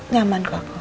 nyaman kok aku